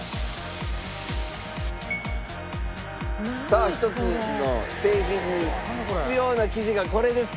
さあ１つの製品に必要な生地がこれです。